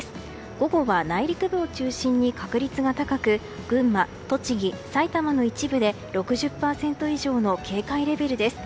午後は内陸部を中心に確率が高く群馬、栃木さいたまの一部で６０％以上の警戒レベルです。